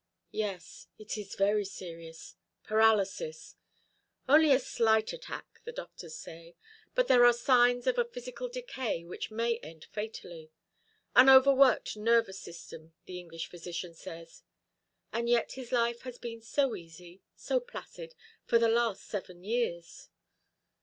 "Yes, it is very serious. Paralysis. Only a slight attack, the doctors say. But there are signs of a physical decay which may end fatally an overworked nervous system, the English physician says. And yet his life has been so easy, so placid, for the last seven years."